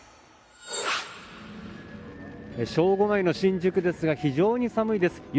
正午前の新宿ですが非常に寒いです。